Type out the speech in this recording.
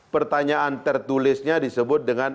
pertanyaan tertulisnya disebut dengan